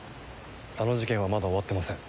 あの事件はまだ終わってません。